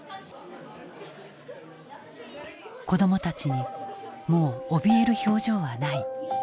子どもたちにもうおびえる表情はない。